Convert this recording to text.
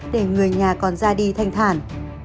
để người nhà còn ra đi thanh thản